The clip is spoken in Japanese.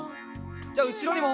じゃあうしろにも。